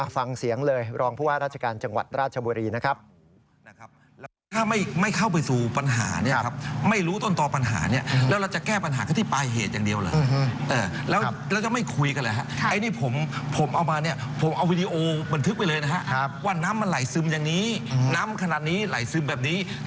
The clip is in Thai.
ฟังเสียงเลยรองผู้ว่าราชการจังหวัดราชบุรีนะครับ